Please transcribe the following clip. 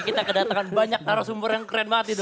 kita kedatangan banyak narasumber yang keren banget itu